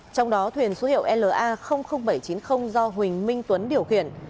trong đó thuyền số hiệu la bảy trăm chín mươi do huỳnh minh tuấn điều khiển